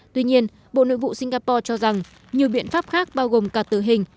tuy nhiên bộ nội vụ singapore cho rằng nhiều biện pháp khác bao gồm cả tử hình